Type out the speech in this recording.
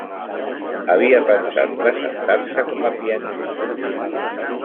Havia pensat presentar-se com a pianista.